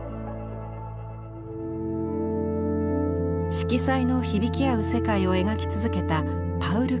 色彩の響き合う世界を描き続けたパウル・クレー。